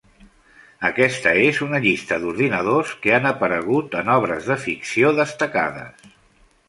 Aquesta és una llista d'ordinadors que han aparegut en obres de ficció destacades.